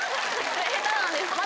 下手なんです。